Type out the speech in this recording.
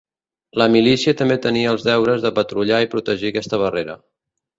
La milícia també tenia els deures de patrullar i protegir aquesta barrera.